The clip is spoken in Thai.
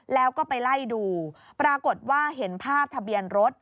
แล้วก็ไปไล่ดูปรากฏว่าเห็นภาพทะเบียนรถ